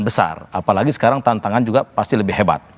besar apalagi sekarang tantangan juga pasti lebih hebat